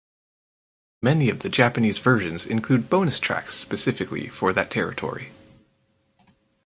Many of the Japanese versions include bonus tracks specifically for that territory.